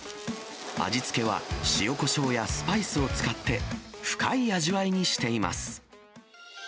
味付けは塩こしょうやスパイスを使って、深い味わいにしています。